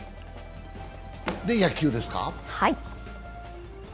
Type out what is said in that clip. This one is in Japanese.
で、野球ですか。